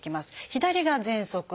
左がぜんそく。